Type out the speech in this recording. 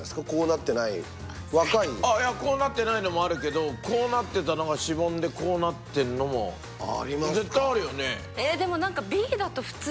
こうなってないのもあるけどこうなってたのがしぼんでこうなってんのも絶対あるよね？